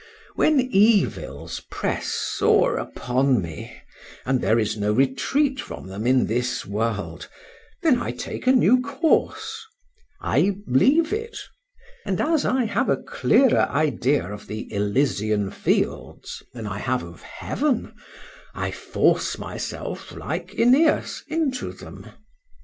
—When evils press sore upon me, and there is no retreat from them in this world, then I take a new course;—I leave it,—and as I have a clearer idea of the Elysian fields than I have of heaven, I force myself, like Æneas, into them.